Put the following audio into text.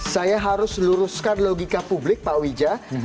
saya harus luruskan logika publik pak wija